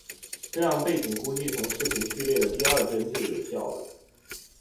这样背景估计从视频序列的第二帧就有效了。